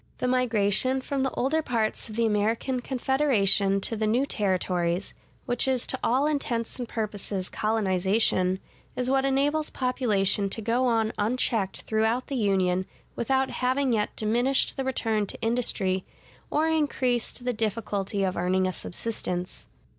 The migration from the older parts of the American Confederation to the new Territories, which is to all intents and purposes colonization, is what enables population to go on unchecked throughout the Union without having yet diminished the return to industry, or increased the difficulty of earning a subsistence.